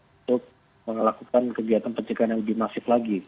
untuk melakukan kegiatan pencegahan yang lebih masif lagi